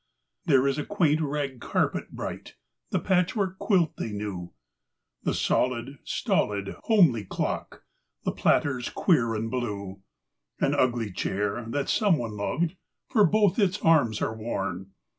There is the quaint rag carpet bright; patchwork quilt they knew; The solid, stolid, homely clock, th ters queer and blue; An ugly chair that some one loved, both its arms are worn.